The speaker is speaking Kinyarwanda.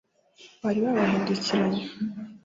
bari babahindukiranye